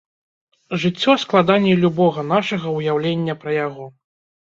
Жыццё складаней любога нашага ўяўлення пра яго.